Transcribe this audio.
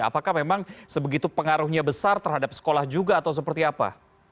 apakah memang sebegitu pengaruhnya besar terhadap sekolah juga atau seperti apa